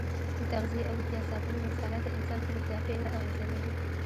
د تغذیې او روغتیا ساتنې مساله د انسان په روغتیا ډېره اغیزه لري.